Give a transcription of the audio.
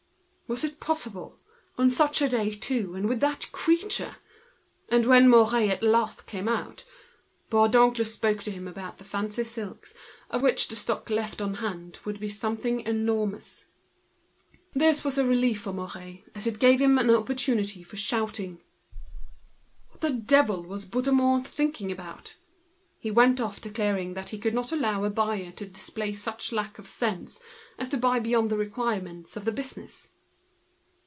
Was it possible? such a day too, and with that puny creature! And when Mouret at last came out Bourdoncle spoke to him about the fancy silks, of which the stock left on hand would be enormous. This was a relief for Mouret, who could now cry out at his ease. What the devil was Bouthemont thinking about? He went off, declaring that he could not allow a buyer to display such a want of sense as to buy beyond the requirements of the business.